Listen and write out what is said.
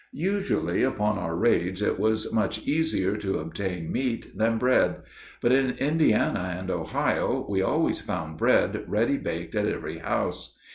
Usually upon our raids it was much easier to obtain meat than bread. But in Indiana and Ohio we always found bread ready baked at every house.